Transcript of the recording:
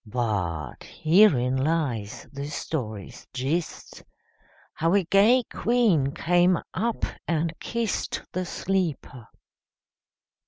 But herein lies the story's gist, How a gay queen came up and kist The sleeper.